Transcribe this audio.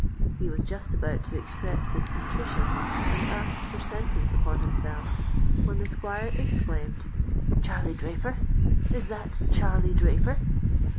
He was just about to express his contrition and ask for sentence upon himself, when the squire exclaimed,— "Charlie Draper! is that Charlie Draper?"